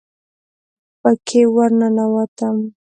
پکښې ورننوتم.